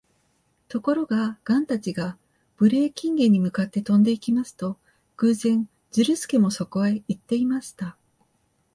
ところが、ガンたちがブレーキンゲに向かって飛んでいきますと、偶然、ズルスケもそこへいっていました。